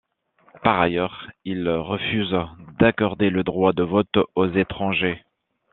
Par ailleurs, il refuse d'accorder le droit de vote aux étrangers.